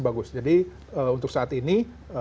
bagus jadi untuk saat ini